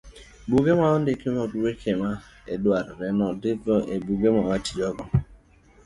buge ma ondik mag gik matimore, ondik weche ma wadwaro tiyogo.